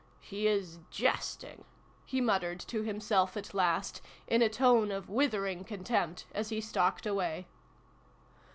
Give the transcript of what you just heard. "He is jesting!" he muttered to himself at last, in a tone of withering con tempt, as he stalked away.